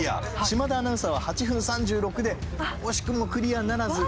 島田アナウンサーは８分３６で惜しくもクリアならず。